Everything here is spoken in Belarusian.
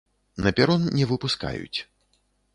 На перон не выпускаюць.